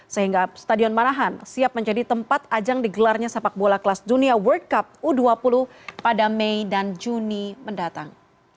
sehingga stadion manahan siap menjadi tempat ajang digelarnya sepak bola kelas dunia world cup u dua puluh pada mei dan juni mendatang